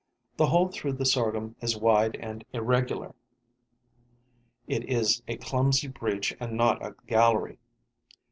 The hole through the sorghum is wide and irregular; it is a clumsy breach and not a gallery.